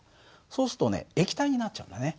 そうするとね液体になっちゃうんだね。